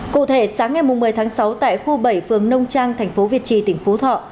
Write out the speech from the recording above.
cụ thể sáng ngày một mươi tháng sáu tại khu bảy phường nông trang thành phố việt trì tỉnh phú thọ